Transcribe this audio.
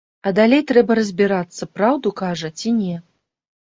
А далей трэба разбірацца, праўду кажа ці не.